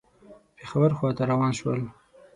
پېښور خواته روان شول.